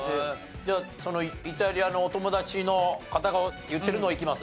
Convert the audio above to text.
じゃあそのイタリアのお友達の方が言ってるのをいきます？